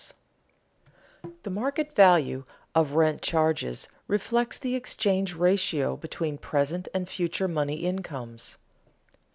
[Sidenote: The market value of rent charges reflects the exchange ratio between present and future money incomes] 3.